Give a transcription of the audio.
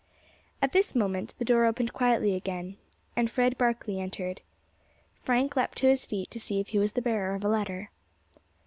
At this moment the door opened quietly again, and Fred Barkley entered. Frank leapt to his feet to see if he was the bearer of a letter.